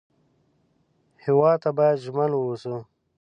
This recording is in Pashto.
هېواد ته باید ژمن و اوسو